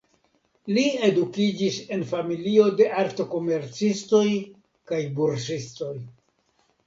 Li edukiĝis en familio de artokomercistoj kaj bursistoj.